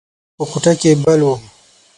څراغ په کوټه کې بل و.